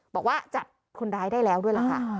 บอกว่าจับคนร้ายได้แล้วด้วยล่ะค่ะ